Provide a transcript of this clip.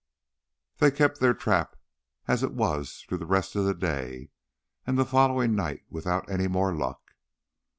They kept their trap as it was through the rest of the day and the following night without any more luck.